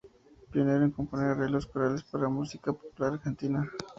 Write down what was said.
Pionero en componer arreglos corales para música popular en Argentina.